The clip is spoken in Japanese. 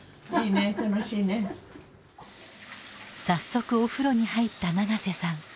早速お風呂に入った長瀬さん。